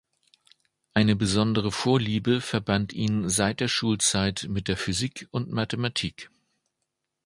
Eine besondere Vorliebe verband ihn seit der Schulzeit mit der Physik und Mathematik.